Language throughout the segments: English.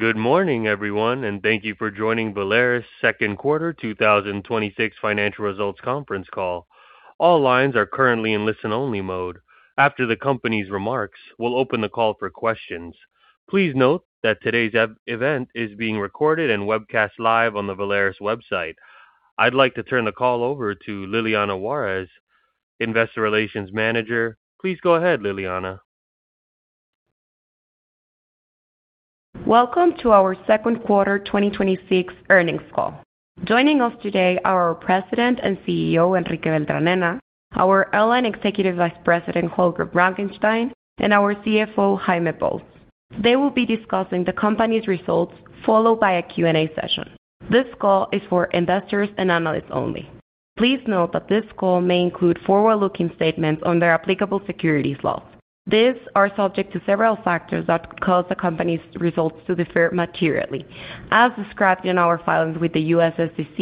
Good morning, everyone, and thank you for joining Volaris' second quarter 2026 financial results conference call. All lines are currently in listen-only mode. After the company's remarks, we will open the call for questions. Please note that today's event is being recorded and webcast live on the Volaris website. I would like to turn the call over to Liliana Juárez, Investor Relations Manager. Please go ahead, Liliana. Welcome to our second quarter 2026 earnings call. Joining us today are our President and CEO, Enrique Beltranena, our Executive Vice President, Holger Blankenstein, and our CFO, Jaime Pous. They will be discussing the company's results, followed by a Q&A session. This call is for investors and analysts only. Please note that this call may include forward-looking statements under applicable securities laws. These are subject to several factors that could cause the company's results to differ materially, as described in our filings with the U.S. SEC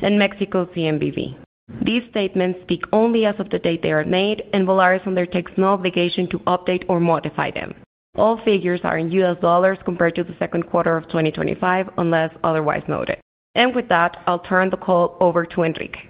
and Mexico CNBV. These statements speak only as of the date they are made, and Volaris undertakes no obligation to update or modify them. All figures are in US dollars compared to the second quarter of 2025, unless otherwise noted. With that, I will turn the call over to Enrique.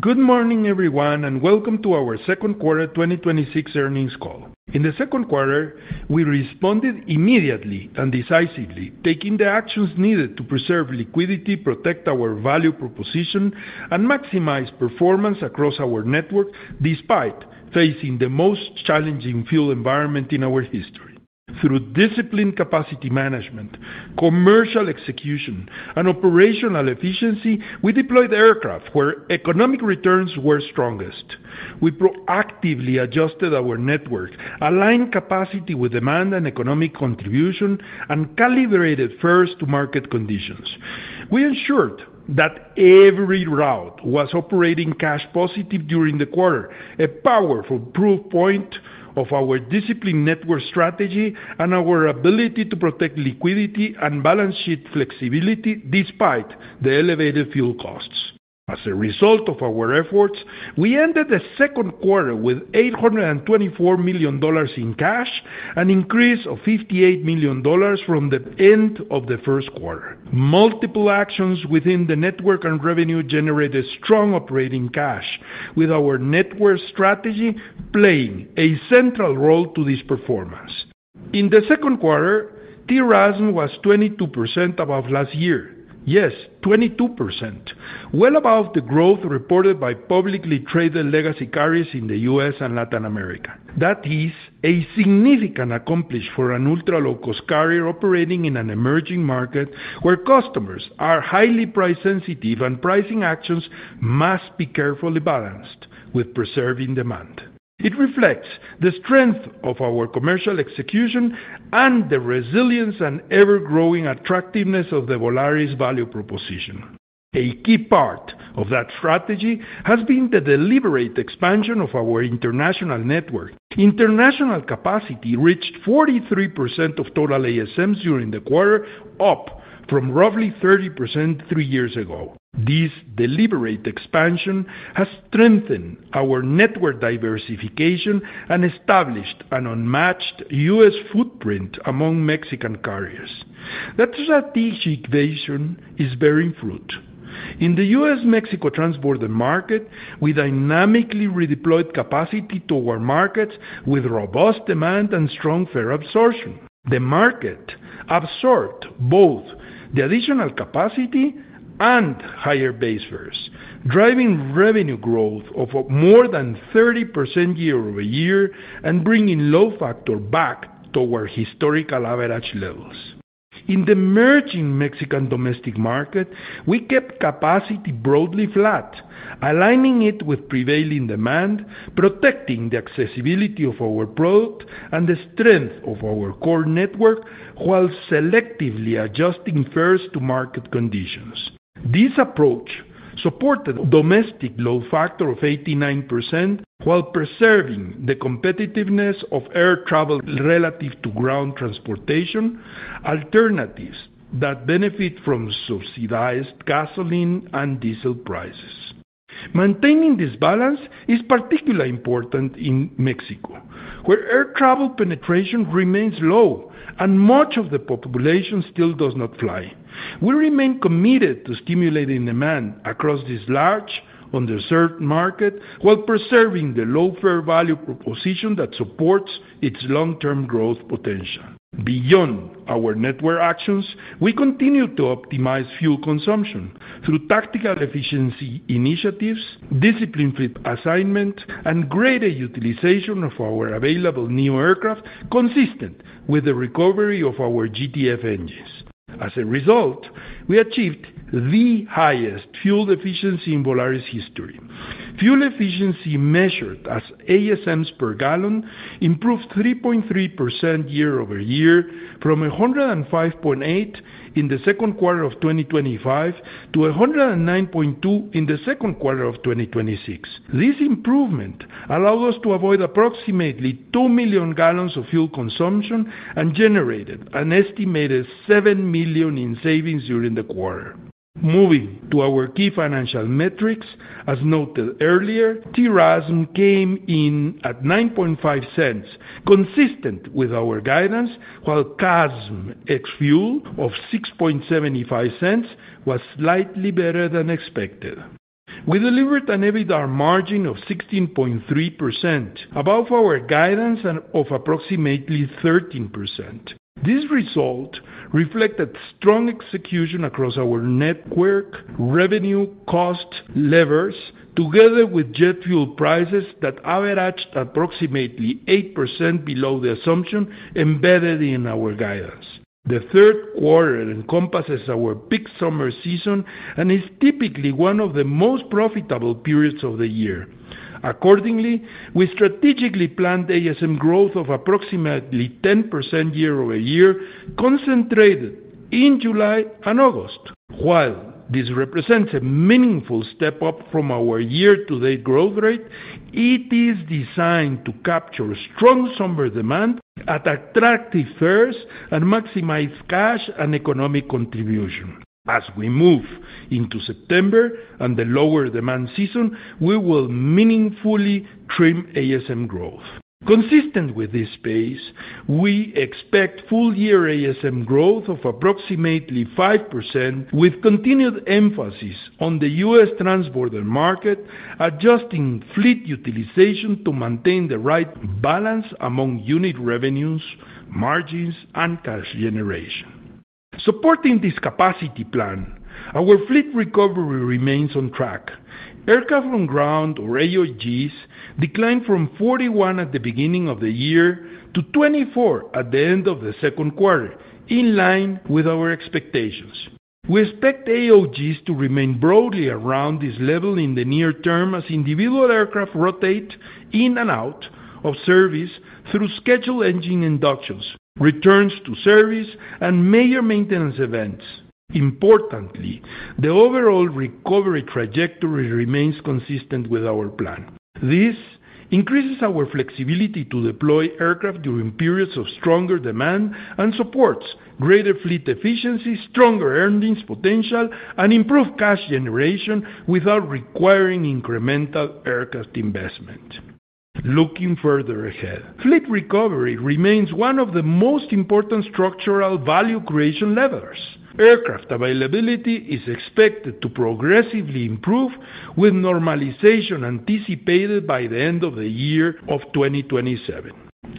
Good morning, everyone, and welcome to our second quarter 2026 earnings call. In the second quarter, we responded immediately and decisively, taking the actions needed to preserve liquidity, protect our value proposition, and maximize performance across our network, despite facing the most challenging fuel environment in our history. Through disciplined capacity management, commercial execution, and operational efficiency, we deployed aircraft where economic returns were strongest. We proactively adjusted our network, aligned capacity with demand and economic contribution, and calibrated fares to market conditions. We ensured that every route was operating cash positive during the quarter, a powerful proof point of our disciplined network strategy and our ability to protect liquidity and balance sheet flexibility despite the elevated fuel costs. As a result of our efforts, we ended the second quarter with $824 million in cash, an increase of $58 million from the end of the first quarter. Multiple actions within the network and revenue generated strong operating cash, with our network strategy playing a central role to this performance. In the second quarter, TRASM was 22% above last year. Yes, 22%. Well above the growth reported by publicly traded legacy carriers in the U.S. and Latin America. That is a significant accomplishment for an ultra-low-cost carrier operating in an emerging market, where customers are highly price sensitive, and pricing actions must be carefully balanced with preserving demand. It reflects the strength of our commercial execution and the resilience and ever-growing attractiveness of the Volaris value proposition. A key part of that strategy has been the deliberate expansion of our international network. International capacity reached 43% of total ASMs during the quarter, up from roughly 30% three years ago. This deliberate expansion has strengthened our network diversification and established an unmatched U.S. footprint among Mexican carriers. That strategic vision is bearing fruit. In the U.S.-Mexico transported market, we dynamically redeployed capacity to our markets with robust demand and strong fare absorption. The market absorbed both the additional capacity and higher base fares, driving revenue growth of more than 30% year-over-year and bringing load factor back to our historical average levels. In the emerging Mexican domestic market, we kept capacity broadly flat, aligning it with prevailing demand, protecting the accessibility of our product, and the strength of our core network, while selectively adjusting fares to market conditions. This approach supported domestic load factor of 89%, while preserving the competitiveness of air travel relative to ground transportation alternatives that benefit from subsidized gasoline and diesel prices. Maintaining this balance is particularly important in Mexico, where air travel penetration remains low and much of the population still does not fly. We remain committed to stimulating demand across this large, underserved market, while preserving the low-fare value proposition that supports its long-term growth potential. Beyond our network actions, we continue to optimize fuel consumption through tactical efficiency initiatives, disciplined fleet assignment, and greater utilization of our available new aircraft, consistent with the recovery of our GTF engines. As a result, we achieved the highest fuel efficiency in Volaris history. Fuel efficiency measured as ASMs per gallon improved 3.3% year-over-year from 105.8 in the second quarter of 2025 to 109.2 in the second quarter of 2026. This improvement allowed us to avoid approximately 2 million gallons of fuel consumption and generated an estimated $7 million in savings during the quarter. Moving to our key financial metrics, as noted earlier, TRASM came in at $0.0950, consistent with our guidance, while CASM ex-fuel of $0.0675 was slightly better than expected. We delivered an EBITDAR margin of 16.3%, above our guidance of approximately 13%. This result reflected strong execution across our network, revenue, cost levers, together with jet fuel prices that averaged approximately 8% below the assumption embedded in our guidance. The third quarter encompasses our peak summer season and is typically one of the most profitable periods of the year. Accordingly, we strategically planned ASM growth of approximately 10% year-over-year, concentrated in July and August. While this represents a meaningful step-up from our year-to-date growth rate, it is designed to capture strong summer demand at attractive fares and maximize cash and economic contribution. As we move into September and the lower-demand season, we will meaningfully trim ASM growth. Consistent with this pace, we expect full-year ASM growth of approximately 5%, with continued emphasis on the U.S. transborder market, adjusting fleet utilization to maintain the right balance among unit revenues, margins, and cash generation. Supporting this capacity plan, our fleet recovery remains on track. Aircraft on ground, or AOGs, declined from 41 at the beginning of the year to 24 at the end of the second quarter, in line with our expectations. We expect AOGs to remain broadly around this level in the near term as individual aircraft rotate in and out of service through scheduled engine inductions, returns to service, and major maintenance events. Importantly, the overall recovery trajectory remains consistent with our plan. This increases our flexibility to deploy aircraft during periods of stronger demand and supports greater fleet efficiency, stronger earnings potential, and improved cash generation without requiring incremental aircraft investment. Looking further ahead, fleet recovery remains one of the most important structural value creation levers. Aircraft availability is expected to progressively improve, with normalization anticipated by the end of the year of 2027.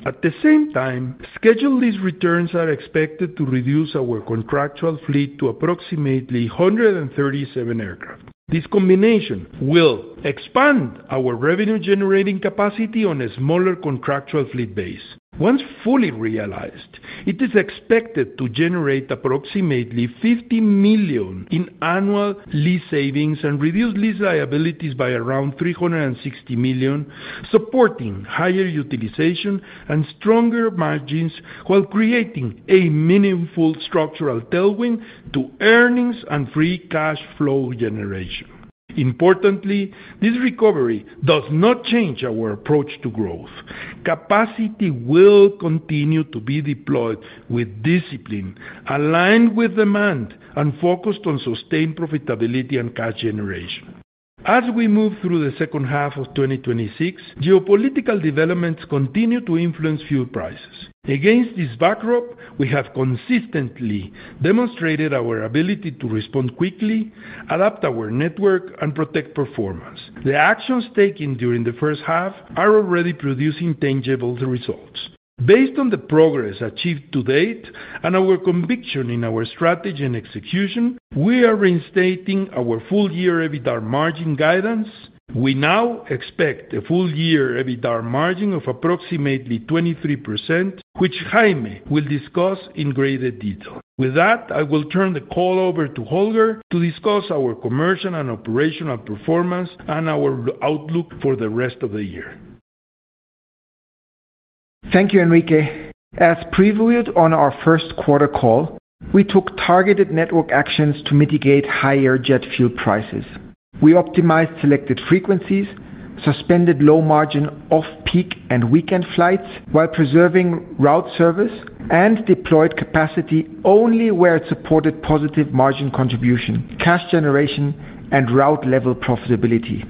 At the same time, schedule lease returns are expected to reduce our contractual fleet to approximately 137 aircraft. This combination will expand our revenue-generating capacity on a smaller contractual fleet base. Once fully realized, it is expected to generate approximately $50 million in annual lease savings and reduce lease liabilities by around $360 million, supporting higher utilization and stronger margins while creating a meaningful structural tailwind to earnings and free cash flow generation. This recovery does not change our approach to growth. Capacity will continue to be deployed with discipline, aligned with demand, and focused on sustained profitability and cash generation. As we move through the second half of 2026, geopolitical developments continue to influence fuel prices. Against this backdrop, we have consistently demonstrated our ability to respond quickly, adapt our network, and protect performance. The actions taken during the first half are already producing tangible results. Based on the progress achieved to date and our conviction in our strategy and execution, we are reinstating our full-year EBITDAR margin guidance. We now expect a full-year EBITDAR margin of approximately 23%, which Jaime will discuss in greater detail. With that, I will turn the call over to Holger to discuss our commercial and operational performance and our outlook for the rest of the year. Thank you, Enrique. As previewed on our first quarter call, we took targeted network actions to mitigate higher jet fuel prices. We optimized selected frequencies, suspended low-margin off-peak and weekend flights while preserving route service, and deployed capacity only where it supported positive margin contribution, cash generation, and route-level profitability.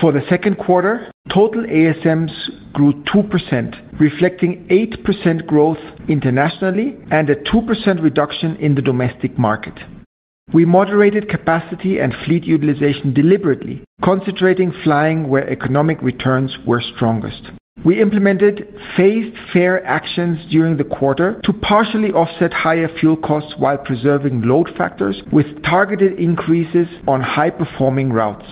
For the second quarter, total ASMs grew 2%, reflecting 8% growth internationally and a 2% reduction in the domestic market. We moderated capacity and fleet utilization deliberately, concentrating flying where economic returns were strongest. We implemented phased fare actions during the quarter to partially offset higher fuel costs while preserving load factors with targeted increases on high-performing routes.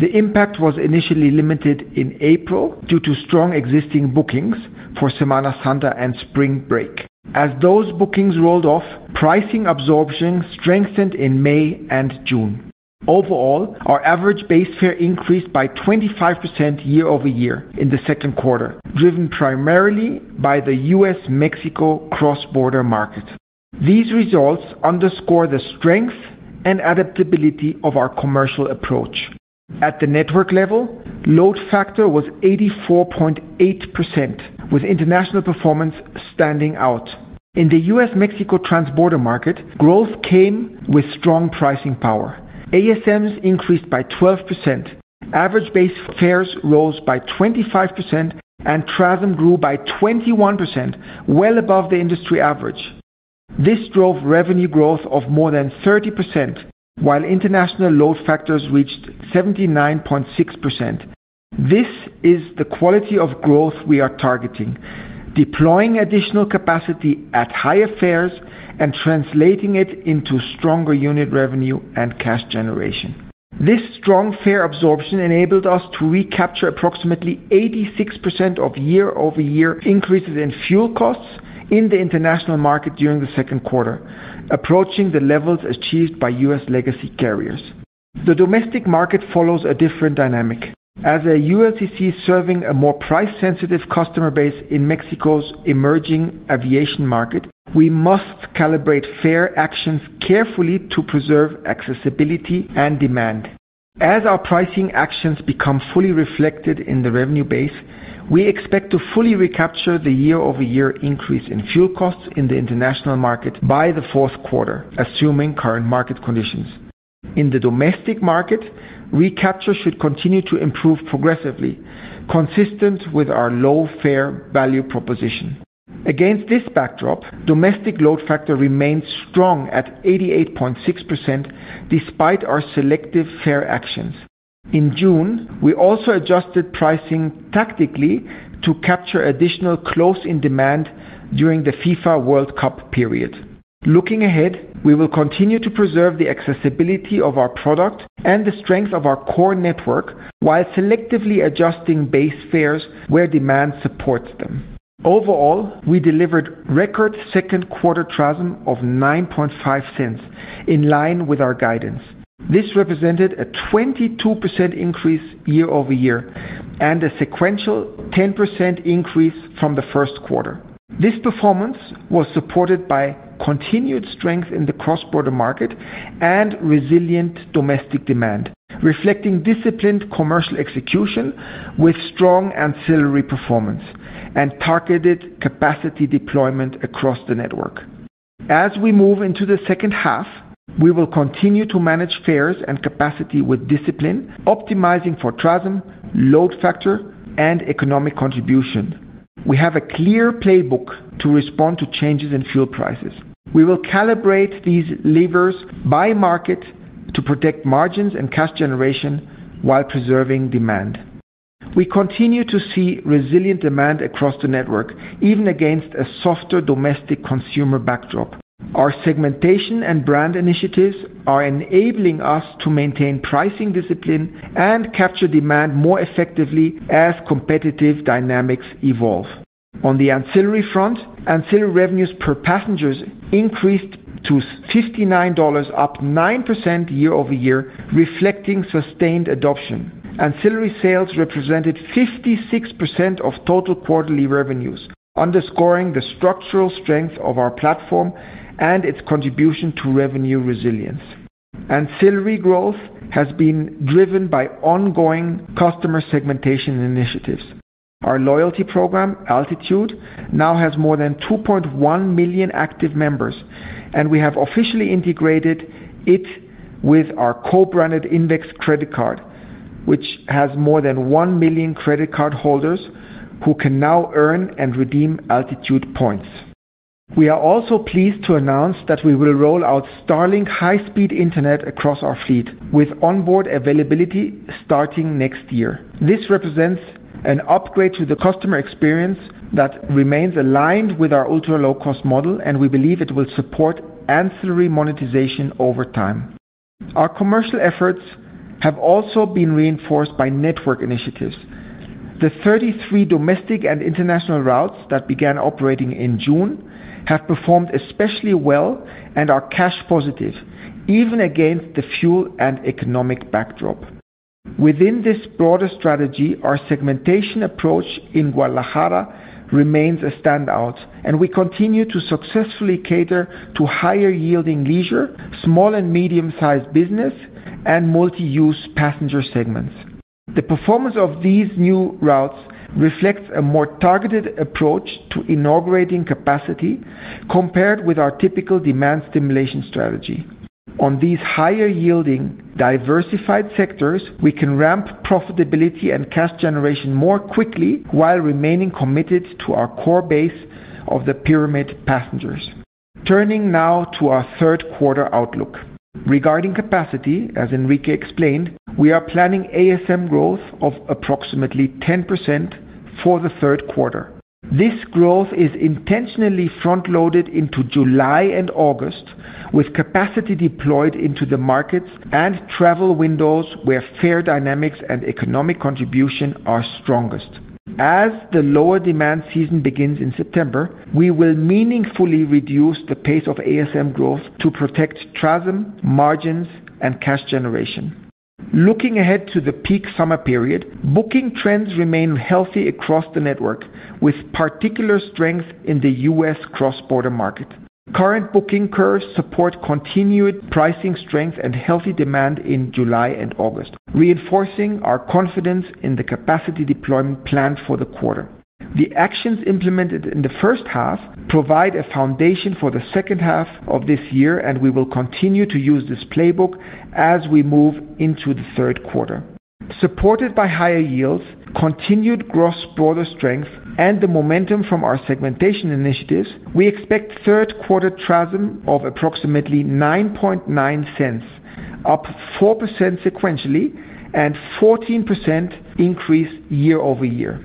The impact was initially limited in April due to strong existing bookings for Semana Santa and spring break. As those bookings rolled off, pricing absorption strengthened in May and June. Overall, our average base fare increased by 25% year-over-year in the second quarter, driven primarily by the U.S.-Mexico cross-border market. These results underscore the strength and adaptability of our commercial approach. At the network level, load factor was 84.8%, with international performance standing out. In the U.S.-Mexico transborder market, growth came with strong pricing power. ASMs increased by 12%, average base fares rose by 25%, and traffic grew by 21%, well above the industry average. This drove revenue growth of more than 30%, while international load factors reached 79.6%. This is the quality of growth we are targeting, deploying additional capacity at higher fares and translating it into stronger unit revenue and cash generation. This strong fare absorption enabled us to recapture approximately 86% of year-over-year increases in fuel costs in the international market during the second quarter, approaching the levels achieved by U.S. legacy carriers. The domestic market follows a different dynamic. As a ULCC serving a more price-sensitive customer base in Mexico's emerging aviation market, we must calibrate fare actions carefully to preserve accessibility and demand. As our pricing actions become fully reflected in the revenue base, we expect to fully recapture the year-over-year increase in fuel costs in the international market by the fourth quarter, assuming current market conditions. In the domestic market, recapture should continue to improve progressively, consistent with our low-fare value proposition. Against this backdrop, domestic load factor remains strong at 88.6%, despite our selective fare actions. In June, we also adjusted pricing tactically to capture additional close-in demand during the FIFA World Cup period. Looking ahead, we will continue to preserve the accessibility of our product and the strength of our core network while selectively adjusting base fares where demand supports them. Overall, we delivered record second quarter TRASM of $0.095, in line with our guidance. This represented a 22% increase year-over-year and a sequential 10% increase from the first quarter. This performance was supported by continued strength in the cross-border market and resilient domestic demand, reflecting disciplined commercial execution with strong ancillary performance and targeted capacity deployment across the network. As we move into the second half, we will continue to manage fares and capacity with discipline, optimizing for TRASM, load factor, and economic contribution. We have a clear playbook to respond to changes in fuel prices. We will calibrate these levers by market to protect margins and cash generation while preserving demand. We continue to see resilient demand across the network, even against a softer domestic consumer backdrop. Our segmentation and brand initiatives are enabling us to maintain pricing discipline and capture demand more effectively as competitive dynamics evolve. On the ancillary front, ancillary revenues per passengers increased to $59, up 9% year-over-year, reflecting sustained adoption. Ancillary sales represented 56% of total quarterly revenues, underscoring the structural strength of our platform and its contribution to revenue resilience. Ancillary growth has been driven by ongoing customer segmentation initiatives. Our loyalty program, Altitude, now has more than 2.1 million active members, and we have officially integrated it with our co-branded INVEX credit card, which has more than 1 million credit card holders who can now earn and redeem Altitude points. We are also pleased to announce that we will roll out Starlink high-speed internet across our fleet, with onboard availability starting next year. This represents an upgrade to the customer experience that remains aligned with our ultra-low-cost model, and we believe it will support ancillary monetization over time. Our commercial efforts have also been reinforced by network initiatives. The 33 domestic and international routes that began operating in June have performed especially well and are cash positive, even against the fuel and economic backdrop. Within this broader strategy, our segmentation approach in Guadalajara remains a standout, and we continue to successfully cater to higher-yielding leisure, small and medium-sized business, and multi-use passenger segments. The performance of these new routes reflects a more targeted approach to inaugurating capacity compared with our typical demand stimulation strategy. On these higher-yielding, diversified sectors, we can ramp profitability and cash generation more quickly while remaining committed to our core base of the pyramid passengers. Turning now to our third quarter outlook. Regarding capacity, as Enrique explained, we are planning ASM growth of approximately 10% for the third quarter. This growth is intentionally front-loaded into July and August, with capacity deployed into the markets and travel windows where fare dynamics and economic contribution are strongest. As the lower demand season begins in September, we will meaningfully reduce the pace of ASM growth to protect TRASM, margins, and cash generation. Looking ahead to the peak summer period, booking trends remain healthy across the network, with particular strength in the U.S. cross-border market. Current booking curves support continued pricing strength and healthy demand in July and August, reinforcing our confidence in the capacity deployment planned for the quarter. The actions implemented in the first half provide a foundation for the second half of this year. We will continue to use this playbook as we move into the third quarter. Supported by higher yields, continued gross broader strength, and the momentum from our segmentation initiatives, we expect third quarter TRASM of approximately $0.099, up 4% sequentially and 14% increase year-over-year.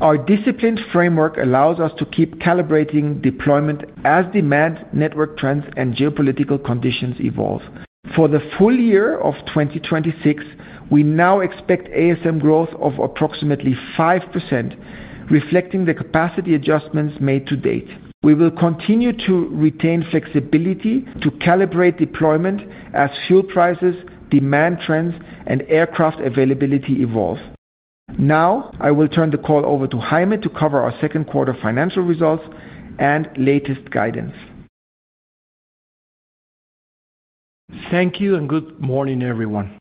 Our disciplined framework allows us to keep calibrating deployment as demand, network trends, and geopolitical conditions evolve. For the full year of 2026, we now expect ASM growth of approximately 5%, reflecting the capacity adjustments made to date. We will continue to retain flexibility to calibrate deployment as fuel prices, demand trends, and aircraft availability evolve. I will turn the call over to Jaime to cover our second quarter financial results and latest guidance. Thank you. Good morning, everyone.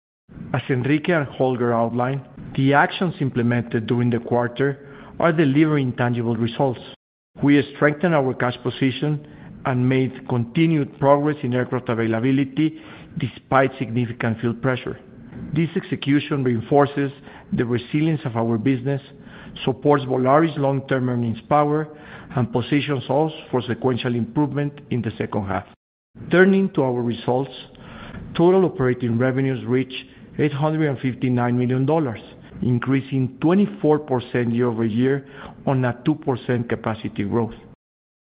As Enrique and Holger outlined, the actions implemented during the quarter are delivering tangible results. We strengthened our cash position and made continued progress in aircraft availability despite significant field pressure. This execution reinforces the resilience of our business, supports Volaris long-term earnings power, and positions us for sequential improvement in the second half. Turning to our results, total operating revenues reached $859 million, increasing 24% year-over-year on a 2% capacity growth.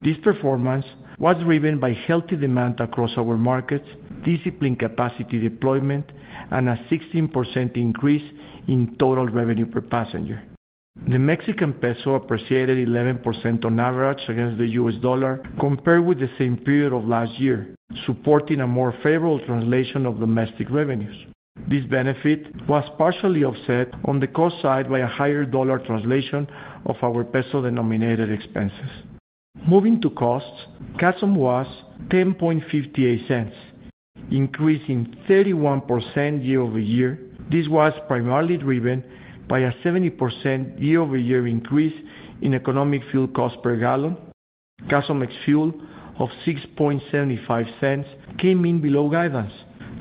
This performance was driven by healthy demand across our markets, disciplined capacity deployment, and a 16% increase in total revenue per passenger. The Mexican peso appreciated 11% on average against the U.S. dollar compared with the same period of last year, supporting a more favorable translation of domestic revenues. This benefit was partially offset on the cost side by a higher dollar translation of our peso-denominated expenses. Moving to costs, CASM was $0.1058, increasing 31% year-over-year. This was primarily driven by a 70% year-over-year increase in economic fuel cost per gallon. CASM ex-fuel of $0.0675 came in below guidance.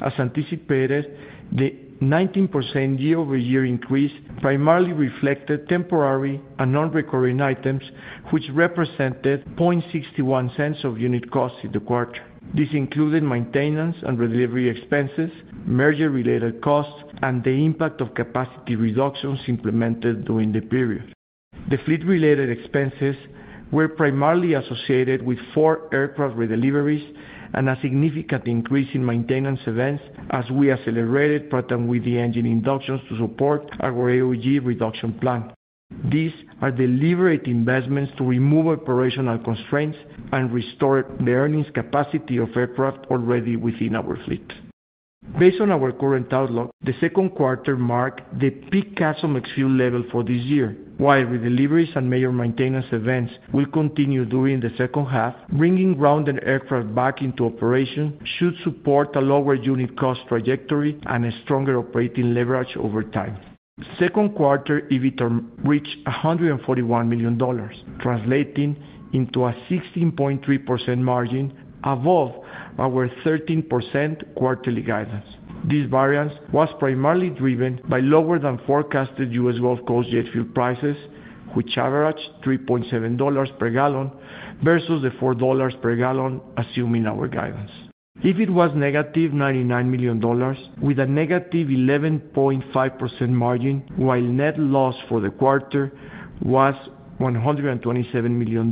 As anticipated, the 19% year-over-year increase primarily reflected temporary and non-recurring items, which represented $0.0061 of unit cost in the quarter. This included maintenance and re-delivery expenses, merger-related costs, and the impact of capacity reductions implemented during the period. The fleet-related expenses were primarily associated with four aircraft redeliveries and a significant increase in maintenance events as we accelerated Pratt & Whitney engine inductions to support our AOG reduction plan. These are deliberate investments to remove operational constraints and restore the earnings capacity of aircraft already within our fleet. Based on our current outlook, the second quarter marked the peak CASM ex-fuel level for this year. While redeliveries and major maintenance events will continue during the second half, bringing grounded aircraft back into operation should support a lower unit cost trajectory and a stronger operating leverage over time. Second quarter, EBITDAR reached $141 million, translating into a 16.3% margin above our 13% quarterly guidance. This variance was primarily driven by lower-than-forecasted U.S. Gulf Coast jet fuel prices, which averaged $3.70 per gallon versus the $4 per gallon assumed in our guidance. EBIT was negative $99 million with a negative 11.5% margin, while net loss for the quarter was $127 million,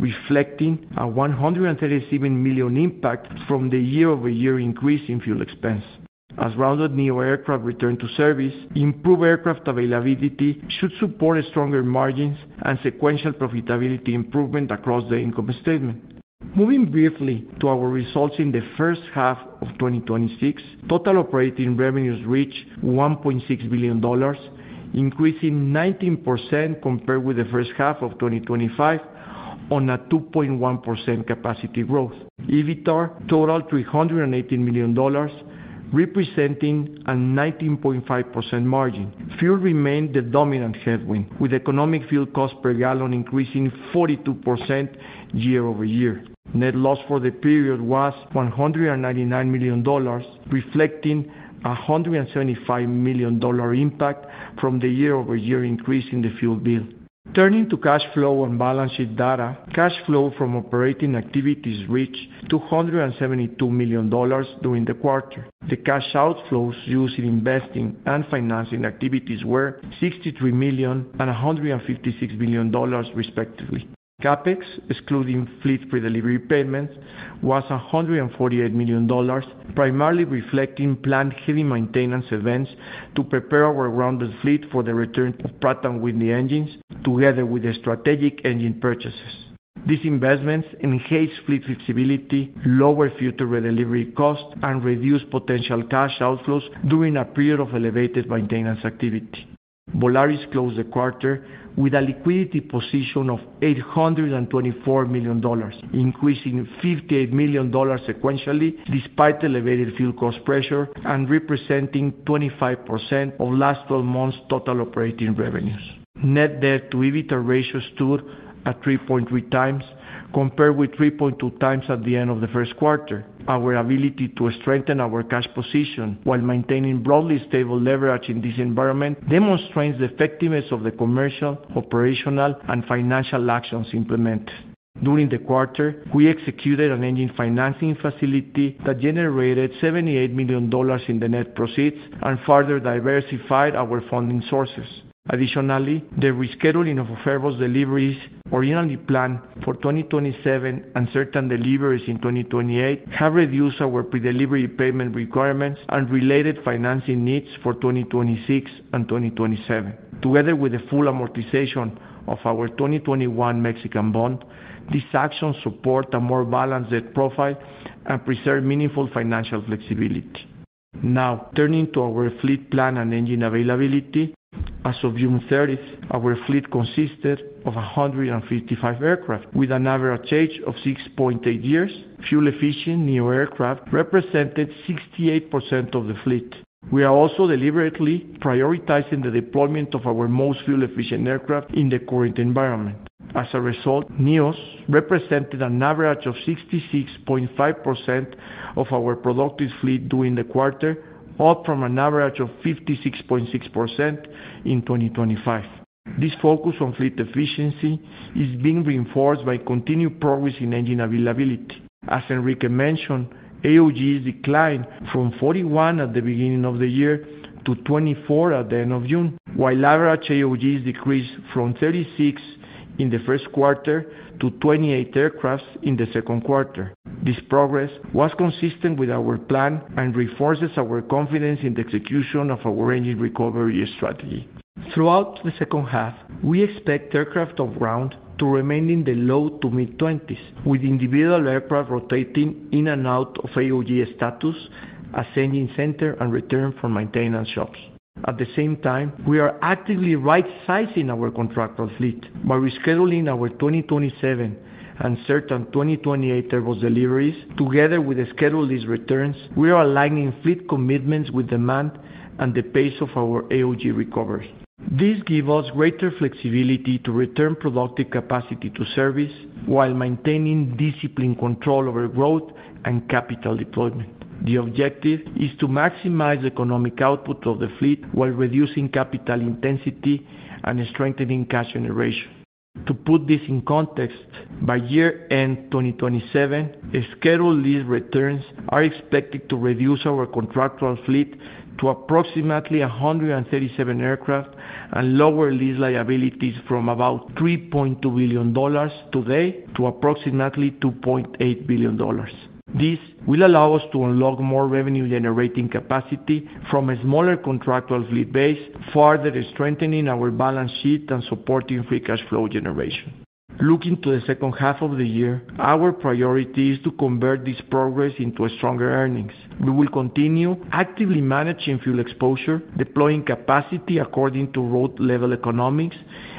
reflecting a $137 million impact from the year-over-year increase in fuel expense. As grounded new aircraft return to service, improved aircraft availability should support stronger margins and sequential profitability improvement across the income statement. Moving briefly to our results in the first half of 2026, total operating revenues reached $1.6 billion, increasing 19% compared with the first half of 2025 on a 2.1% capacity growth. EBITA totaled $318 million, representing a 19.5% margin. Fuel remained the dominant headwind, with economic fuel cost per gallon increasing 42% year-over-year. Net loss for the period was $199 million, reflecting a $175 million impact from the year-over-year increase in the fuel bill. Turning to cash flow and balance sheet data, cash flow from operating activities reached $272 million during the quarter. The cash outflows used in investing and financing activities were $63 million and $156 million, respectively. CapEx, excluding fleet predelivery payments, was $148 million, primarily reflecting planned heavy maintenance events to prepare our grounded fleet for the return of Pratt & Whitney engines, together with the strategic engine purchases. These investments enhance fleet flexibility, lower future redelivery costs, and reduce potential cash outflows during a period of elevated maintenance activity. Volaris closed the quarter with a liquidity position of $824 million, increasing $58 million sequentially despite elevated fuel cost pressure and representing 25% of last 12 months' total operating revenues. Net debt-to-EBITA ratio stood at 3.3x, compared with 3.2x at the end of the first quarter. Our ability to strengthen our cash position while maintaining broadly stable leverage in this environment demonstrates the effectiveness of the commercial, operational, and financial actions implemented. During the quarter, we executed an engine financing facility that generated $78 million in the net proceeds and further diversified our funding sources. Additionally, the rescheduling of Airbus deliveries originally planned for 2027 and certain deliveries in 2028 have reduced our pre-delivery payment requirements and related financing needs for 2026 and 2027. Together with the full amortization of our 2021 Mexican bond, these actions support a more balanced debt profile and preserve meaningful financial flexibility. Now, turning to our fleet plan and engine availability. As of June 30th, our fleet consisted of 155 aircraft, with an average age of 6.8 years. Fuel-efficient NEO aircraft represented 68% of the fleet. We are also deliberately prioritizing the deployment of our most fuel-efficient aircraft in the current environment. As a result, NEOs represented an average of 66.5% of our productive fleet during the quarter, up from an average of 56.6% in 2025. This focus on fleet efficiency is being reinforced by continued progress in engine availability. As Enrique mentioned, AOGs declined from 41 at the beginning of the year to 24 at the end of June, while average AOGs decreased from 36 in the first quarter to 28 aircraft in the second quarter. This progress was consistent with our plan and reinforces our confidence in the execution of our engine recovery strategy. Throughout the second half, we expect Aircraft on Ground to remain in the low to mid-20s, with individual aircraft rotating in and out of AOG status as engine center and return for maintenance shops. At the same time, we are actively rightsizing our contractual fleet. By rescheduling our 2027 and certain 2028 Airbus deliveries together with the scheduled lease returns, we are aligning fleet commitments with demand and the pace of our AOG recovery. This give us greater flexibility to return productive capacity to service while maintaining discipline control over growth and capital deployment. The objective is to maximize economic output of the fleet while reducing capital intensity and strengthening cash generation. To put this in context, by year-end 2027, scheduled lease returns are expected to reduce our contractual fleet to approximately 137 aircraft and lower lease liabilities from about $3.2 billion today to approximately $2.8 billion. This will allow us to unlock more revenue-generating capacity from a smaller contractual fleet base, further strengthening our balance sheet and supporting free cash flow generation. Looking to the second half of the year, our priority is to convert this progress into stronger earnings. We will continue actively managing fuel exposure, deploying capacity according to route level economics,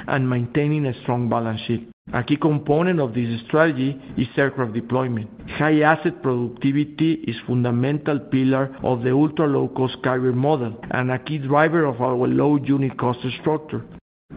and maintaining a strong balance sheet. A key component of this strategy is aircraft deployment. High asset productivity is fundamental pillar of the ultra-low-cost carrier model and a key driver of our low unit cost structure.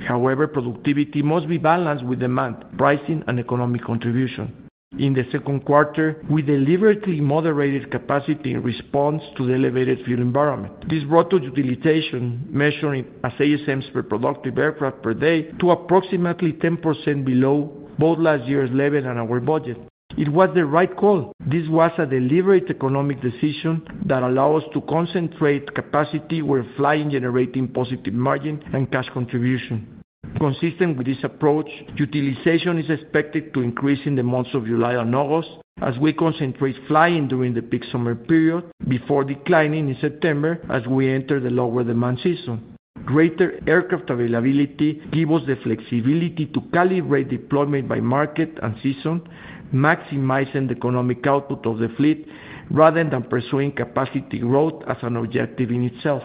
However, productivity must be balanced with demand, pricing, and economic contribution. In the second quarter, we deliberately moderated capacity in response to the elevated fuel environment. This brought to utilization, measuring ASMs per productive aircraft per day, to approximately 10% below both last year's level and our budget. It was the right call. This was a deliberate economic decision that allow us to concentrate capacity, where flying generating positive margin and cash contribution. Consistent with this approach, utilization is expected to increase in the months of July and August as we concentrate flying during the peak summer period, before declining in September as we enter the lower-demand season. Greater aircraft availability give us the flexibility to calibrate deployment by market and season, maximizing the economic output of the fleet rather than pursuing capacity growth as an objective in itself.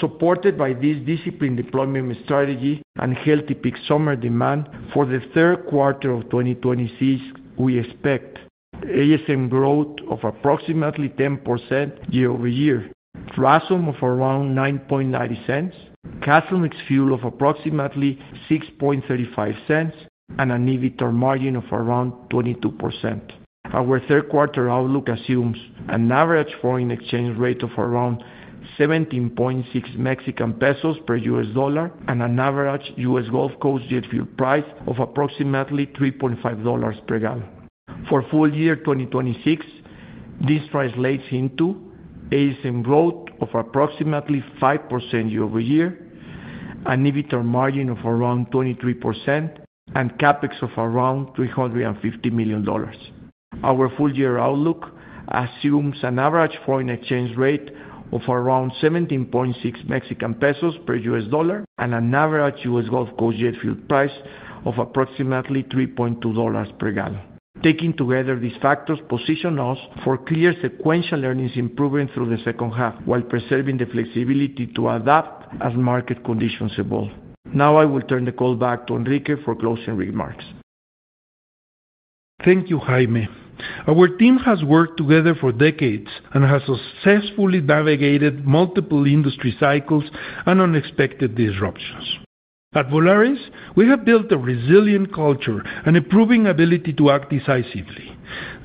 Supported by this disciplined deployment strategy and healthy peak summer demand, for the third quarter of 2026, we expect ASM growth of approximately 10% year-over-year, RASM of around $0.0990, CASM ex fuel of approximately $0.0635, and an EBITDAR margin of around 22%. Our third quarter outlook assumes an average foreign exchange rate of around 17.6 Mexican pesos per US dollar and an average U.S. Gulf Coast jet fuel price of approximately $3.50 per gallon. For full year 2026, this translates into ASM growth of approximately 5% year-over-year, an EBITDAR margin of around 23%, and CapEx of around $350 million. Our full year outlook assumes an average foreign exchange rate of around 17.6 Mexican pesos per US dollar and an average U.S. Gulf Coast jet fuel price of approximately $3.20 per gallon. Taking together these factors position us for clear sequential earnings improvement through the second half, while preserving the flexibility to adapt as market conditions evolve. I will turn the call back to Enrique for closing remarks. Thank you, Jaime. Our team has worked together for decades and has successfully navigated multiple industry cycles and unexpected disruptions. At Volaris, we have built a resilient culture and a proven ability to act decisively.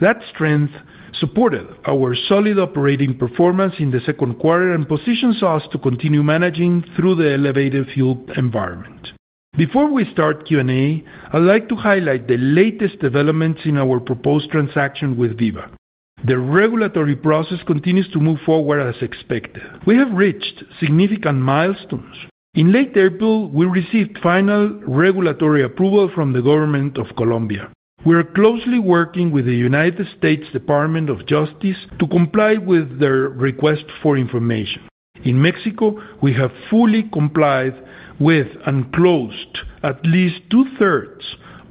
That strength supported our solid operating performance in the second quarter and positions us to continue managing through the elevated fuel environment. Before we start Q&A, I'd like to highlight the latest developments in our proposed transaction with Viva. The regulatory process continues to move forward as expected. We have reached significant milestones. In late April, we received final regulatory approval from the government of Colombia. We are closely working with the United States Department of Justice to comply with their request for information. In Mexico, we have fully complied with, and closed at least two-thirds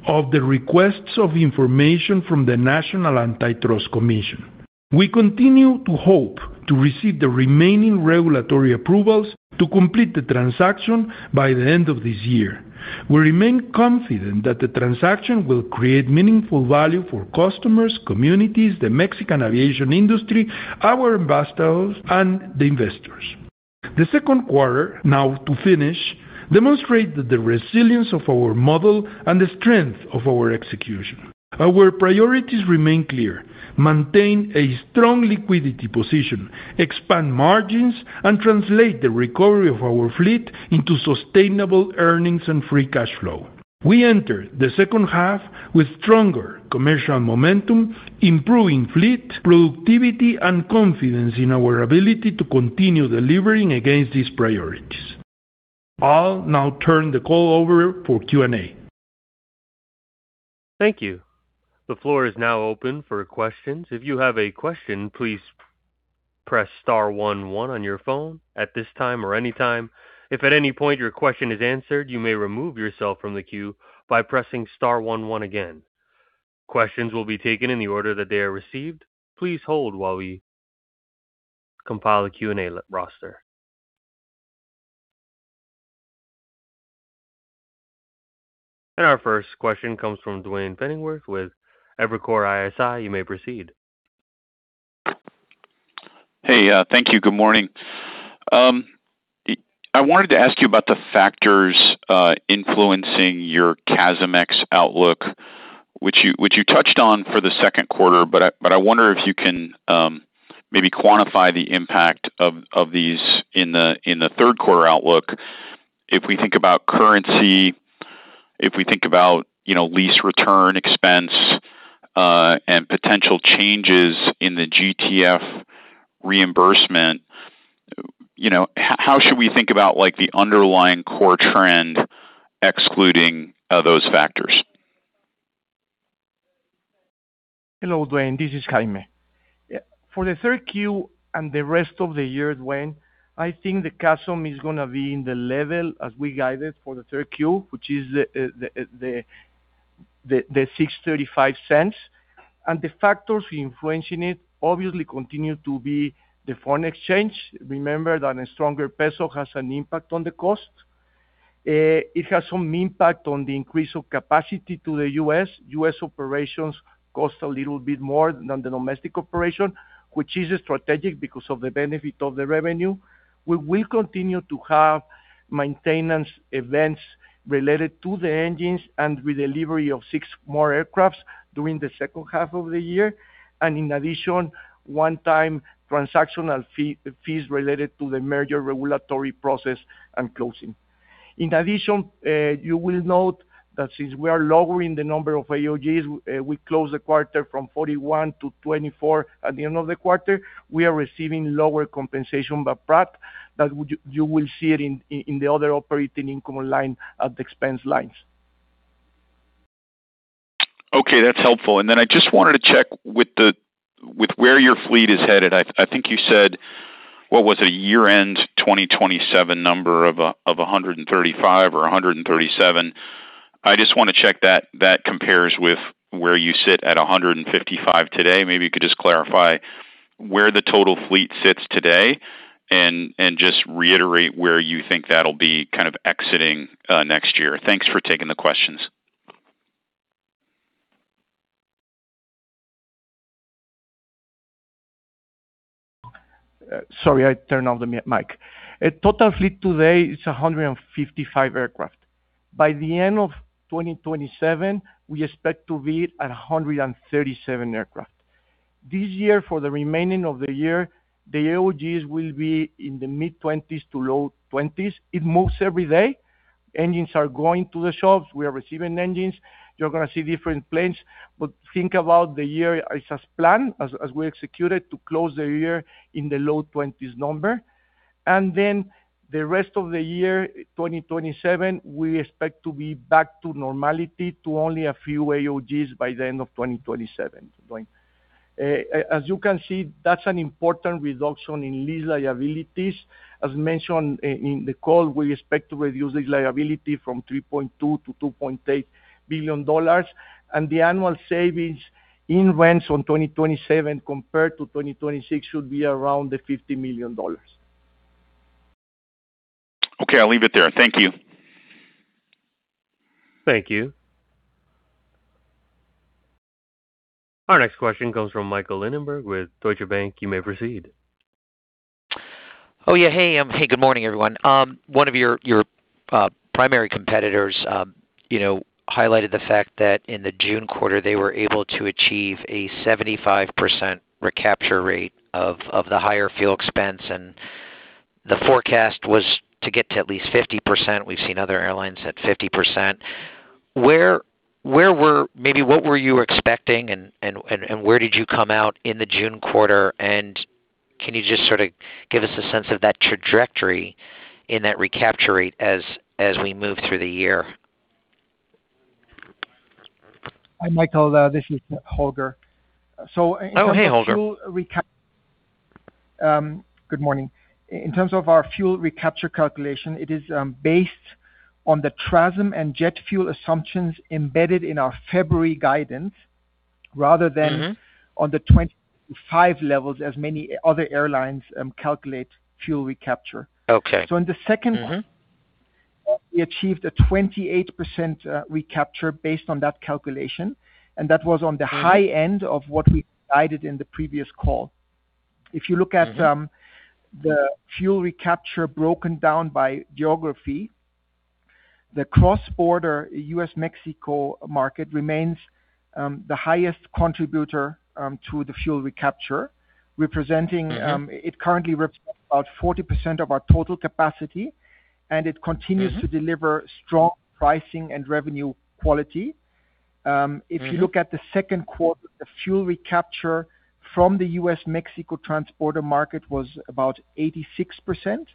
of the requests of information from the National Antitrust Commission. We continue to hope to receive the remaining regulatory approvals to complete the transaction by the end of this year. We remain confident that the transaction will create meaningful value for customers, communities, the Mexican aviation industry, our investors, and the investors. The second quarter, now to finish, demonstrated the resilience of our model and the strength of our execution. Our priorities remain clear: maintain a strong liquidity position, expand margins, and translate the recovery of our fleet into sustainable earnings and free cash flow. We enter the second half with stronger commercial momentum, improving fleet productivity, and confidence in our ability to continue delivering against these priorities. I'll now turn the call over for Q&A. Thank you. The floor is now open for questions. If you have a question, please press star one one on your phone at this time or any time. If at any point your question is answered, you may remove yourself from the queue by pressing star one one again. Questions will be taken in the order that they are received. Please hold while we compile a Q&A roster. Our first question comes from Duane Pfennigwerth with Evercore ISI. You may proceed. Hey, thank you. Good morning. I wanted to ask you about the factors influencing your CASM Ex outlook, which you touched on for the second quarter, but I wonder if you can maybe quantify the impact of these in the third quarter outlook. If we think about currency, if we think about lease return expense, and potential changes in the GTF reimbursement, how should we think about the underlying core trend excluding those factors? Hello, Duane. This is Jaime. For the Q3 and the rest of the year, Duane, I think the CASM is going to be in the level as we guided for the Q3, which is $0.0635. The factors influencing it obviously continue to be the foreign exchange. Remember that a stronger peso has an impact on the cost. It has some impact on the increase of capacity to the U.S. U.S. operations cost a little bit more than the domestic operation, which is strategic because of the benefit of the revenue. We will continue to have maintenance events related to the engines with delivery of six more aircraft during the second half of the year. In addition, one-time transactional fees related to the merger regulatory process and closing. In addition, you will note that since we are lowering the number of AOGs, we closed the quarter from 41 to 24 at the end of the quarter. We are receiving lower compensation by Pratt that you will see it in the other operating income line at the expense lines. Okay, that's helpful. Then I just wanted to check with where your fleet is headed. I think you said, what was a year-end 2027 number of 135 or 137. I just want to check that compares with where you sit at 155 today. Maybe you could just clarify where the total fleet sits today and just reiterate where you think that'll be exiting next year. Thanks for taking the questions. Sorry, I turned off the mic. Total fleet today is 155 aircraft. By the end of 2027, we expect to be at 137 aircraft. This year, for the remaining of the year, the AOGs will be in the mid-20s to low 20s. It moves every day. Engines are going to the shops. We are receiving engines. You're going to see different planes. Think about the year is as planned, as we executed, to close the year in the low 20s number. The rest of the year, 2027, we expect to be back to normality to only a few AOGs by the end of 2027. As you can see, that's an important reduction in lease liabilities. As mentioned in the call, we expect to reduce this liability from $3.2 billion to $2.8 billion. The annual savings in rents on 2027 compared to 2026 should be around $50 million. Okay, I'll leave it there. Thank you. Thank you. Our next question comes from Michael Linenberg with Deutsche Bank. You may proceed Oh, yeah. Hey. Good morning, everyone. One of your primary competitors highlighted the fact that in the June quarter, they were able to achieve a 75% recapture rate of the higher fuel expense, and the forecast was to get to at least 50%. We've seen other airlines at 50%. Maybe what were you expecting, and where did you come out in the June quarter? Can you just give us a sense of that trajectory in that recapture rate as we move through the year? Hi, Michael. This is Holger. Oh, hey Holger. Good morning. In terms of our fuel recapture calculation, it is based on the TRASM and jet fuel assumptions embedded in our February guidance. On the 25 levels as many other airlines calculate fuel recapture. Okay. In the second quarter, we achieved a 28% recapture based on that calculation, and that was on the high end of what we guided in the previous call. If you look at the fuel recapture broken down by geography, the cross-border U.S.-Mexico market remains the highest contributor to the fuel recapture. It currently represents about 40% of our total capacity, and it continues to deliver strong pricing and revenue quality. If you look at the second quarter, the fuel recapture from the U.S.-Mexico transporter market was about 86%.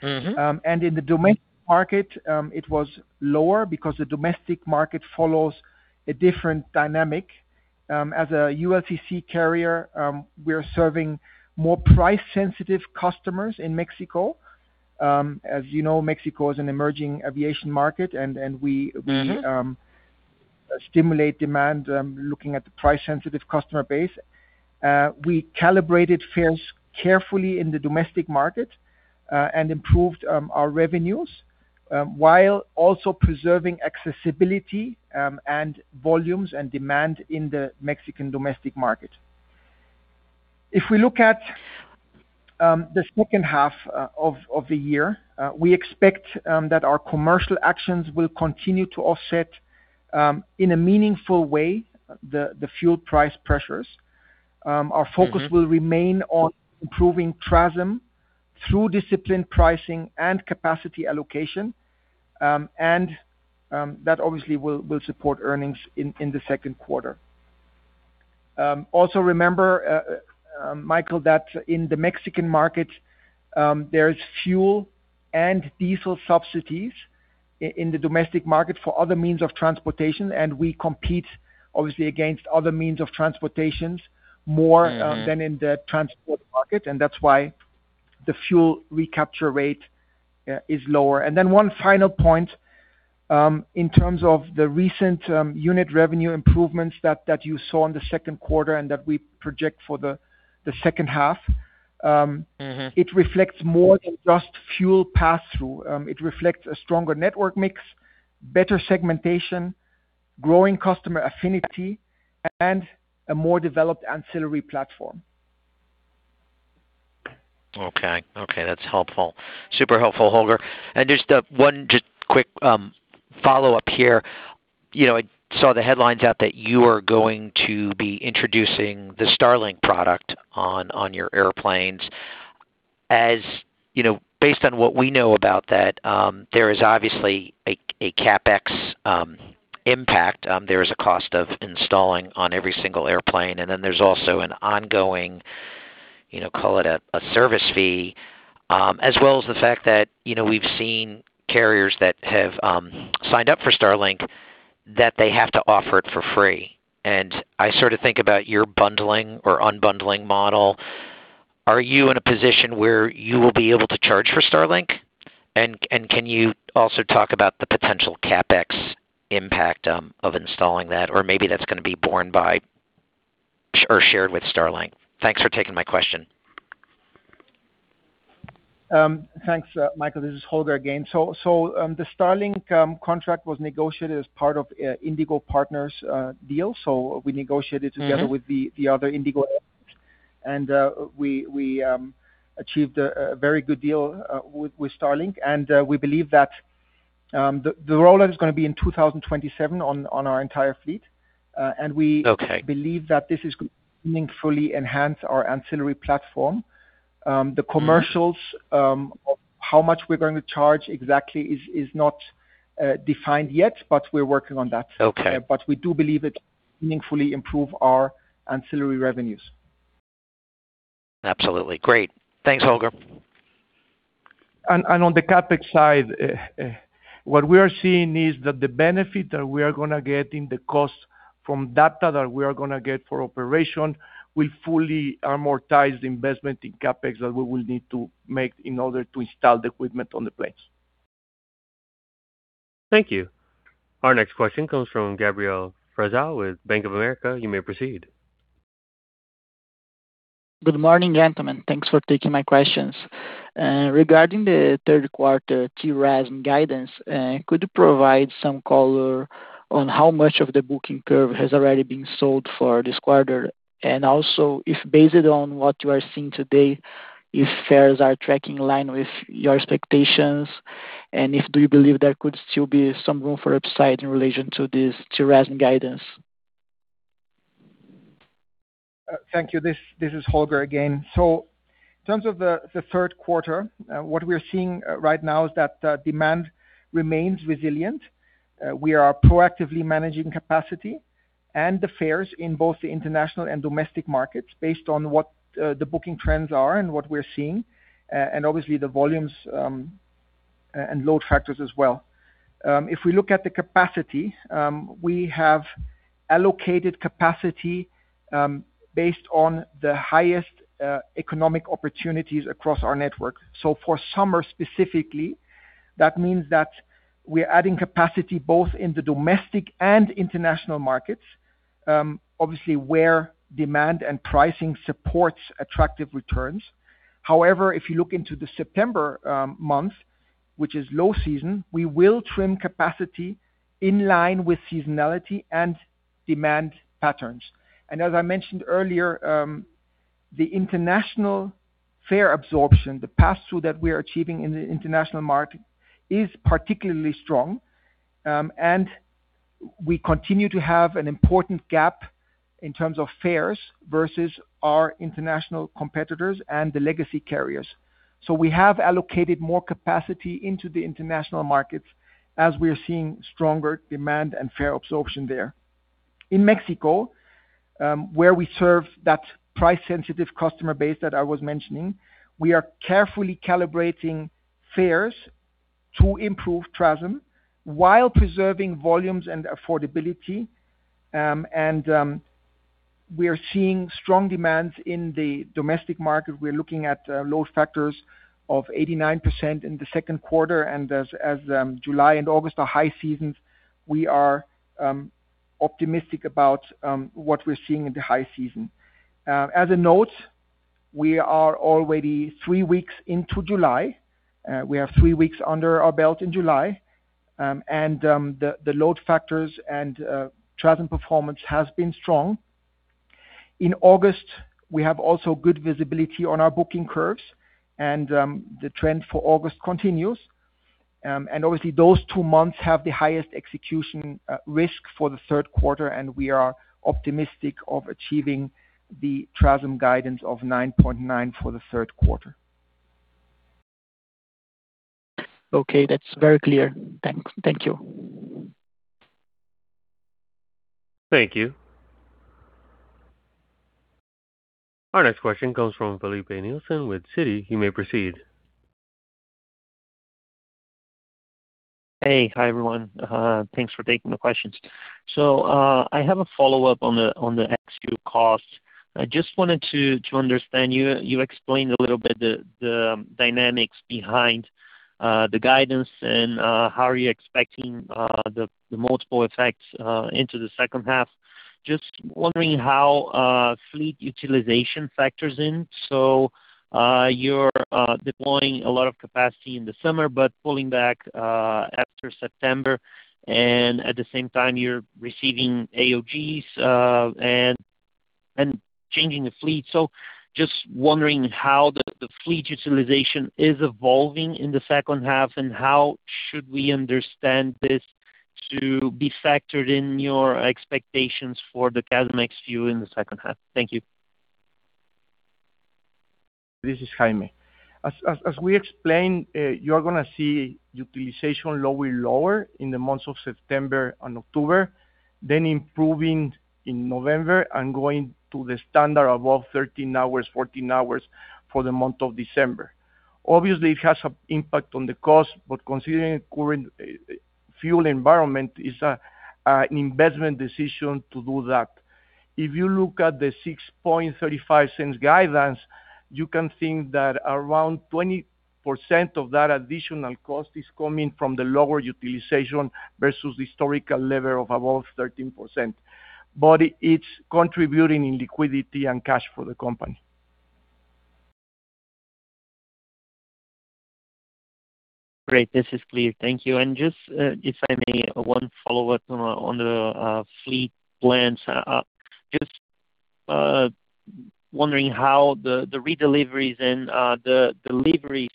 In the domestic market, it was lower because the domestic market follows a different dynamic. As a ULCC carrier, we are serving more price-sensitive customers in Mexico. As you know, Mexico is an emerging aviation market, and stimulate demand, looking at the price-sensitive customer base. We calibrated fares carefully in the domestic market and improved our revenues, while also preserving accessibility, and volumes, and demand in the Mexican domestic market. If we look at the second half of the year, we expect that our commercial actions will continue to offset, in a meaningful way, the fuel price pressures. Our focus will remain on improving TRASM through disciplined pricing and capacity allocation. That obviously will support earnings in the second quarter. Also remember, Michael, that in the Mexican market, there is fuel and diesel subsidies in the domestic market for other means of transportation, and we compete, obviously, against other means of transportations more than in the transport market, and that's why the fuel recapture rate is lower. One final point, in terms of the recent unit revenue improvements that you saw in the second quarter and that we project for the second half. It reflects more than just fuel pass-through. It reflects a stronger network mix, better segmentation, growing customer affinity, and a more developed ancillary platform. Okay. That's helpful. Super helpful, Holger. just one quick follow-up here. I saw the headlines out that you are going to be introducing the Starlink product on your airplanes. Based on what we know about that, there is obviously a CapEx impact. There is a cost of installing on every single airplane, and then there's also an ongoing, call it a service fee, as well as the fact that we've seen carriers that have signed up for Starlink that they have to offer it for free. I think about your bundling or unbundling model. Are you in a position where you will be able to charge for Starlink? Can you also talk about the potential CapEx impact of installing that, or maybe that's going to be borne by or shared with Starlink. Thanks for taking my question. Thanks, Michael. This is Holger again. The Starlink contract was negotiated as part of Indigo Partners deal. We negotiated together with the other Indigo airlines, and we achieved a very good deal with Starlink. We believe that the rollout is going to be in 2027 on our entire fleet. Okay We believe that this is going to meaningfully enhance our ancillary platform. The commercials of how much we're going to charge exactly is not defined yet, we're working on that. Okay. We do believe it will meaningfully improve our ancillary revenues. Absolutely. Great. Thanks, Holger. On the CapEx side, what we are seeing is that the benefit that we are going to get in the cost from data that we are going to get for operation will fully amortize the investment in CapEx that we will need to make in order to install the equipment on the planes. Thank you. Our next question comes from Gabriel Frazão with Bank of America. You may proceed. Good morning, gentlemen. Thanks for taking my questions. Regarding the third quarter TRASM guidance, could you provide some color on how much of the booking curve has already been sold for this quarter? Also, if based on what you are seeing today, if fares are tracking in line with your expectations, do you believe there could still be some room for upside in relation to this TRASM guidance? Thank you. This is Holger again. In terms of the third quarter, what we are seeing right now is that demand remains resilient. We are proactively managing capacity and the fares in both the international and domestic markets based on what the booking trends are and what we're seeing, and obviously the volumes and load factors as well. If we look at the capacity, we have allocated capacity based on the highest economic opportunities across our network. For summer specifically, that means that we're adding capacity both in the domestic and international markets, obviously where demand and pricing supports attractive returns. However, if you look into the September month, which is low season, we will trim capacity in line with seasonality and demand patterns. As I mentioned earlier, the international fare absorption, the pass-through that we are achieving in the international market, is particularly strong. We continue to have an important gap in terms of fares versus our international competitors and the legacy carriers. We have allocated more capacity into the international markets as we are seeing stronger demand and fare absorption there. In Mexico, where we serve that price-sensitive customer base that I was mentioning, we are carefully calibrating fares to improve TRASM while preserving volumes and affordability. We are seeing strong demands in the domestic market. We are looking at load factors of 89% in the second quarter. As July and August are high seasons, we are optimistic about what we're seeing in the high season. As a note, we are already three weeks into July. We have three weeks under our belt in July. The load factors and TRASM performance has been strong. In August, we have also good visibility on our booking curves and the trend for August continues. Obviously those two months have the highest execution risk for the third quarter, and we are optimistic of achieving the TRASM guidance of 9.9 for the third quarter. Okay, that's very clear. Thank you. Thank you. Our next question comes from Filipe Nielsen with Citi. You may proceed. Hey. Hi, everyone. Thanks for taking the questions. I have a follow-up on the ex-fuel costs. I just wanted to understand, you explained a little bit the dynamics behind the guidance and how are you expecting the multiple effects into the second half. Just wondering how fleet utilization factors in. You're deploying a lot of capacity in the summer, but pulling back after September, and at the same time, you're receiving AOGs and changing the fleet. Just wondering how the fleet utilization is evolving in the second half, and how should we understand this to be factored in your expectations for the CASM ex-Q in the second half? Thank you. This is Jaime. As we explained, you are going to see utilization lower in the months of September and October, then improving in November and going to the standard above 13 hours, 14 hours for the month of December. Obviously, it has an impact on the cost, but considering current fuel environment is an investment decision to do that. If you look at the $0.0635 guidance, you can think that around 20% of that additional cost is coming from the lower utilization versus historical level of above 13%. It's contributing in liquidity and cash for the company. Great. This is clear. Thank you. Just, if I may, one follow-up on the fleet plans. Just wondering how the redeliveries and the deliveries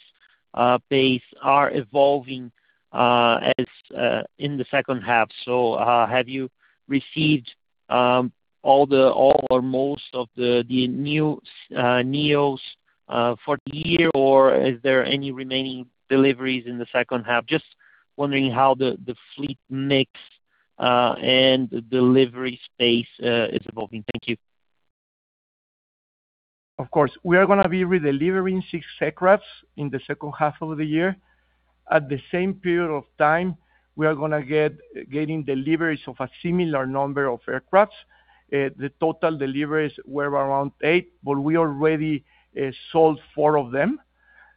pace are evolving in the second half. Have you received all or most of the new NEOs for the year, or is there any remaining deliveries in the second half? Just wondering how the fleet mix and delivery space is evolving. Thank you. Of course. We are going to be redelivering six aircrafts in the second half of the year. At the same period of time, we are going to get deliveries of a similar number of aircrafts. The total deliveries were around eight, but we already sold four of them.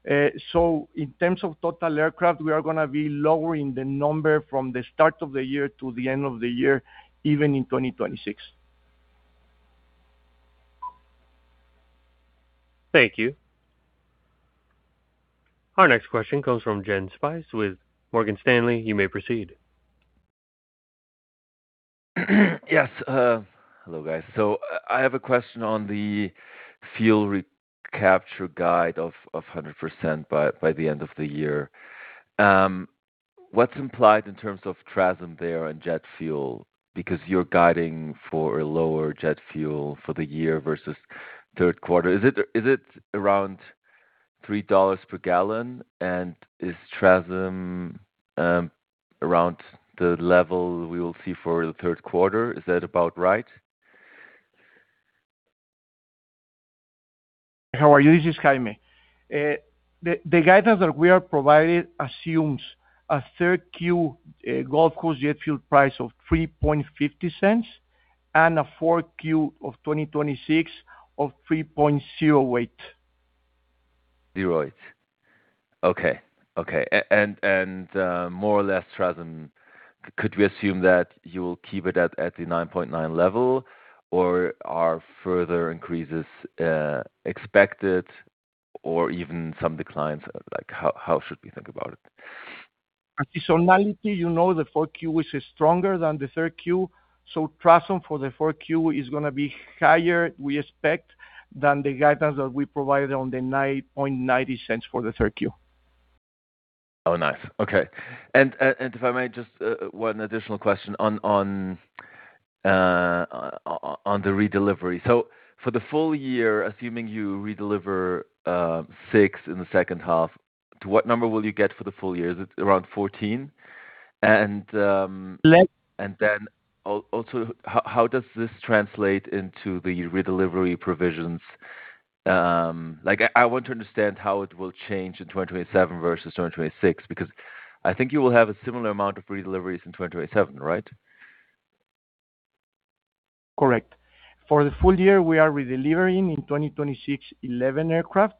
In terms of total aircraft, we are going to be lowering the number from the start of the year to the end of the year, even in 2026. Thank you. Our next question comes from Jens Spiess with Morgan Stanley. You may proceed Yes. Hello guys. I have a question on the fuel recapture guide of 100% by the end of the year. What is implied in terms of TRASM there and jet fuel? You are guiding for a lower jet fuel for the year versus third quarter. Is it around $3 per gallon? Is TRASM around the level we will see for the third quarter? Is that about right? How are you? This is Jaime. The guidance that we are providing assumes a third Q Gulf Coast jet fuel price of $3.50 and a fourth Q of 2026 of $3.08. Zero eight. Okay. More or less TRASM, could we assume that you will keep it at the $0.099$ level, or are further increases expected or even some declines? How should we think about it? Seasonality, you know the fourth Q is stronger than the third Q. TRASM for the fourth Q is going to be higher, we expect, than the guidance that we provided on the $0.099$ for the third Q. Oh, nice. Okay. If I may, just one additional question on the redelivery. For the full year, assuming you redeliver six in the second half, to what number will you get for the full year? Is it around 14? Less Also, how does this translate into the redelivery provisions? I want to understand how it will change in 2027 versus 2026, because I think you will have a similar amount of redeliveries in 2027, right? Correct. For the full year, we are redelivering in 2026, 11 aircraft.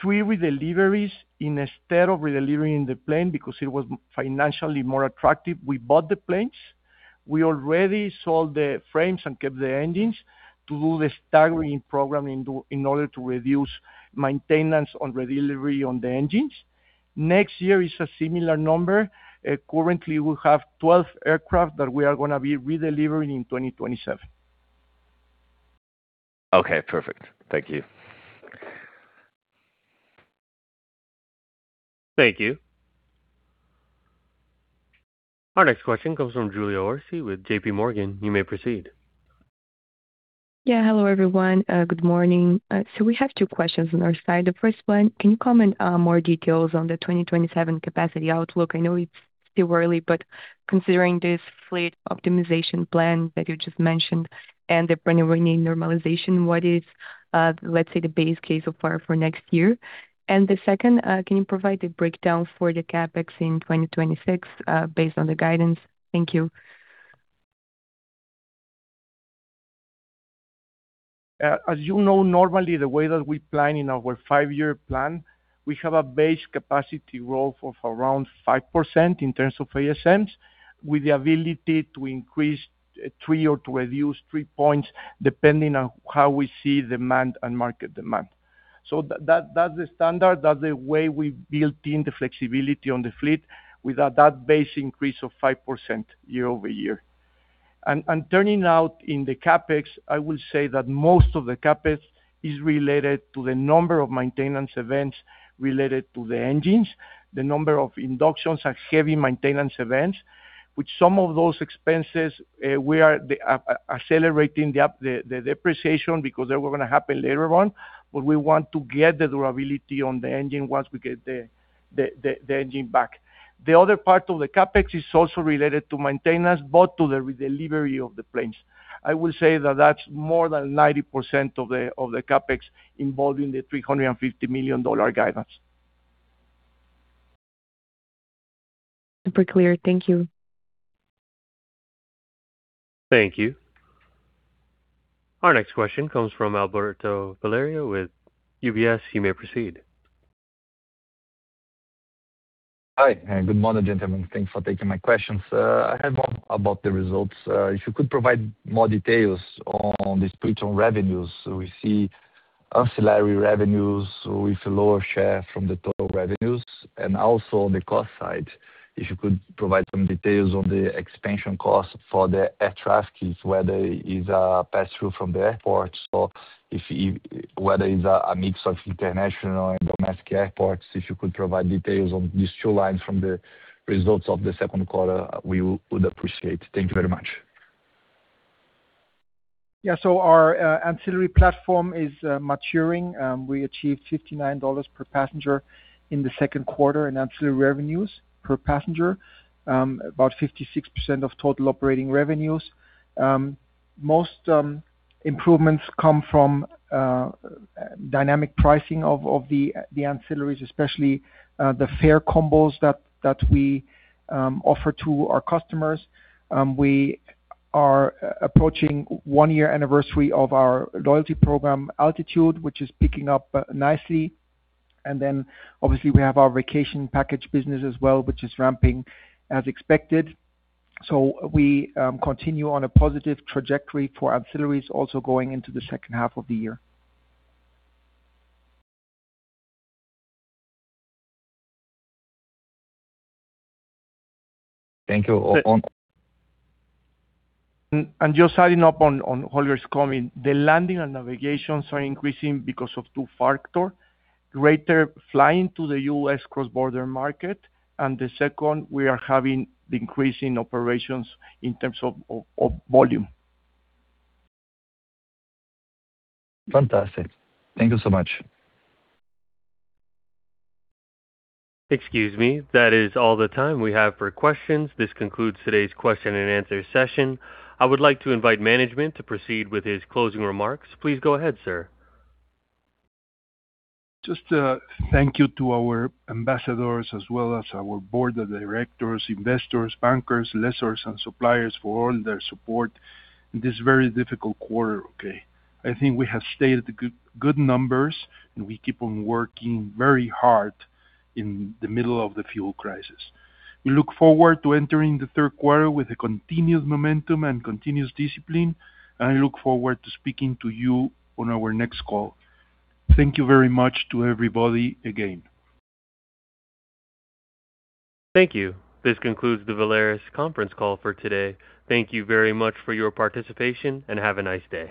Three redeliveries, instead of redelivering the plane because it was financially more attractive, we bought the planes. We already sold the frames and kept the engines to do the staggering program in order to reduce maintenance on redelivery on the engines. Next year is a similar number. Currently, we have 12 aircraft that we are going to be redelivering in 2027. Okay, perfect. Thank you. Thank you. Our next question comes from Julia Orsi with JPMorgan. You may proceed. Yes. Hello, everyone. Good morning. We have two questions on our side. The first one, can you comment on more details on the 2027 capacity outlook? I know it's still early, but considering this fleet optimization plan that you just mentioned and the brand new normalization, what is, let's say, the base case so far for next year? The second, can you provide a breakdown for the CapEx in 2026, based on the guidance? Thank you. As you know, normally the way that we plan in our five-year plan, we have a base capacity role of around 5% in terms of ASMs, with the ability to increase three or to reduce three points depending on how we see demand and market demand. That's the standard, that's the way we built in the flexibility on the fleet with that base increase of 5% year-over-year. Turning out in the CapEx, I will say that most of the CapEx is related to the number of maintenance events related to the engines, the number of inductions and heavy maintenance events. With some of those expenses, we are accelerating the depreciation because they were going to happen later on, but we want to get the durability on the engine once we get the engine back. The other part of the CapEx is also related to maintenance, but to the redelivery of the planes. I will say that that's more than 90% of the CapEx involving the $350 million guidance. Super clear. Thank you. Thank you. Our next question comes from Alberto Valerio with UBS. You may proceed. Hi, good morning, gentlemen. Thanks for taking my questions. I have one about the results. If you could provide more details on the split on revenues. We see ancillary revenues with a lower share from the total revenues. Also on the cost side, if you could provide some details on the expansion cost for the air traffic, whether it's a pass-through from the airports or whether it's a mix of international and domestic airports. If you could provide details on these two lines from the results of the second quarter, we would appreciate. Thank you very much. Our ancillary platform is maturing. We achieved $59 per passenger in the second quarter in ancillary revenues per passenger, about 56% of total operating revenues. Most improvements come from dynamic pricing of the ancillaries, especially the fare combos that we offer to our customers. We are approaching one year anniversary of our loyalty program, Altitude, which is picking up nicely. Obviously we have our vacation package business as well, which is ramping as expected. We continue on a positive trajectory for ancillaries also going into the second half of the year. Thank you. Just adding up on Holger's comment, the landing and navigations are increasing because of two factor: greater flying to the U.S. cross-border market, and the second, we are having the increase in operations in terms of volume. Fantastic. Thank you so much. Excuse me. That is all the time we have for questions. This concludes today's question and answer session. I would like to invite management to proceed with his closing remarks. Please go ahead, sir. Just thank you to our ambassadors as well as our board of directors, investors, bankers, lessors and suppliers for all their support in this very difficult quarter, okay? I think we have stated good numbers. We keep on working very hard in the middle of the fuel crisis. We look forward to entering the third quarter with a continuous momentum and continuous discipline. I look forward to speaking to you on our next call. Thank you very much to everybody again. Thank you. This concludes the Volaris conference call for today. Thank you very much for your participation. Have a nice day.